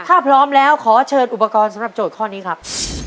ถ้าพร้อมแล้วขอเชิญอุปกรณ์สำหรับโจทย์ข้อนี้ครับ